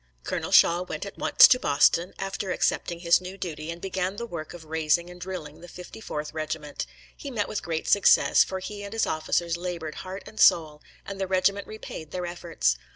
Colonel Shaw went at once to Boston, after accepting his new duty, and began the work of raising and drilling the 54th Regiment. He met with great success, for he and his officers labored heart and soul, and the regiment repaid their efforts.